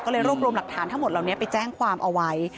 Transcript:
ก็เลยรวบรวมหลักฐานทั้งหมดเหล่านี้ไปแจ้งความเอาไว้